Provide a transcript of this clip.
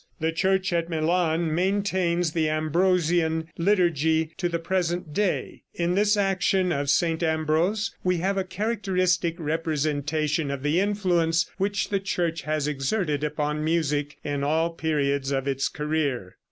The Church at Milan maintains the Ambrosian liturgy to the present date. In this action of St. Ambrose we have a characteristic representation of the influence which the Church has exerted upon music in all periods of its career.